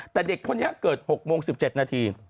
แต่เด็กคนนี้เกิด๖โมง๑๗นาที